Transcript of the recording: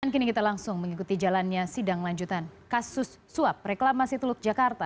dan kini kita langsung mengikuti jalannya sidang lanjutan kasus suap reklamasi teluk jakarta